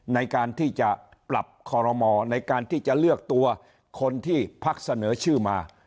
ในการที่จะปรับคอรมอในการที่จะเลือกตัวคนที่พักเสนอชื่อมา